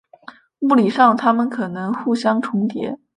物理上它们可能互相重叠。